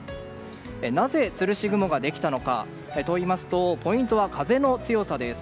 なぜ、つるし雲ができたのかといいますとポイントは風の強さです。